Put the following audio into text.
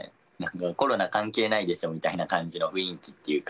もうコロナ関係ないでしょみたいな感じの雰囲気というか。